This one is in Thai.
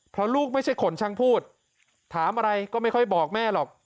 เพราะลูกไม่ใช่คนช่างพูดถามอะไรก็ไม่ค่อยบอกแม่หรอก